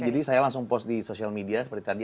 jadi saya langsung post di social media seperti tadi